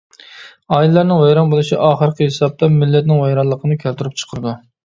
ئائىلىلەرنىڭ ۋەيران بولۇشى ئاخىرقى ھېسابتا مىللەتنىڭ ۋەيرانلىقىنى كەلتۈرۈپ چىقىرىدۇ.